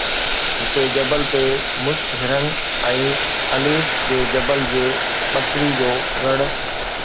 هتي جبل تي مشڪ هرن، ۽ الپس جي جبل جي بکري جو رڻ